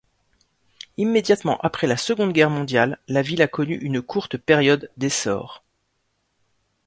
Immédiatement après la Seconde Guerre mondiale, la ville a connu une courte période d'essor.